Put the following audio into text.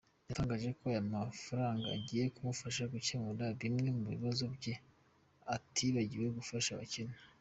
Yatangaje ko aya mafaraganga agiye kumufasha gukemura bimwe mu bibazo bye atibagiwe gufasha abakene.